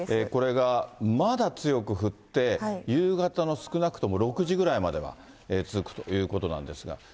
これがまだ強く降って、夕方の少なくとも６時ぐらいまでは続くということなんですが。